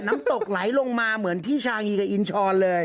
น้ำตกไหลลงมาเหมือนที่ชาฮีกับอินชรเลย